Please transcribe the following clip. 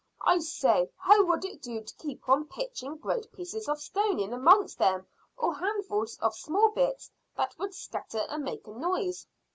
"I say, how would it do to keep on pitching great pieces of stone in amongst them, or handfuls of small bits that would scatter and make a noise?"